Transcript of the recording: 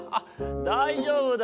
だいじょうぶだよ。